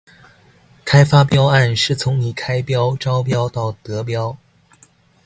開發標案是從你開標、招標到得標